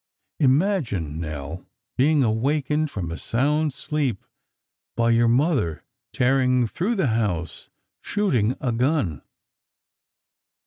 Imagine, Nell, being awakened from a sound sleep by your Mother tearing through the house, shooting a gun.